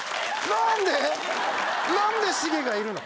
何でしげがいるの？